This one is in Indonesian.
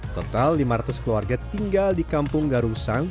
total lima ratus keluarga tinggal di kampung garusang